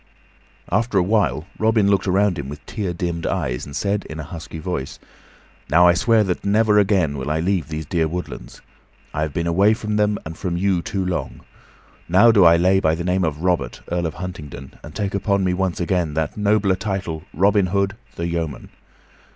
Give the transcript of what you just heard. After a while Robin looked around him with tear dimmed eyes and said, in a husky voice, "Now, I swear that never again will I leave these dear woodlands. I have been away from them and from you too long. Now do I lay by the name of Robert, Earl of Huntingdon, and take upon me once again that nobler title, Robin Hood, the Yeoman."